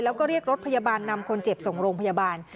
แล้วก็เรียกรถพยาบาลนำคนเจ็บส่งโรงพยาบาล